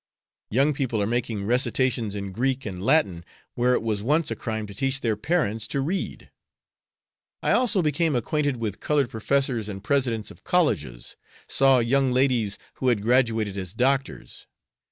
Young people are making recitations in Greek and Latin where it was once a crime to teach their parents to read. I also became acquainted with colored professors and presidents of colleges. Saw young ladies who had graduated as doctors.